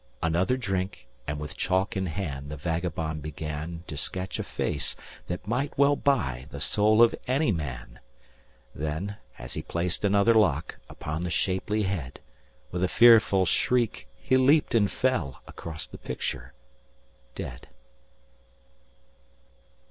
Another drink, and with chalk in hand, the vagabond began To sketch a face that well might buy the soul of any man. Then, as he placed another lock upon the shapely head, With a fearful shriek, he leaped and fell across the picture dead.